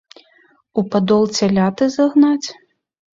У падол цяляты загнаць?